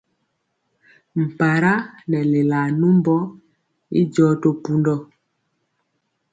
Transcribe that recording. Mpara nɛ lelaa numbɔ i jɔ to pundɔ.